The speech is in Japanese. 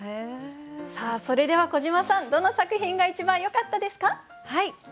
それでは小島さんどの作品が一番よかったですか？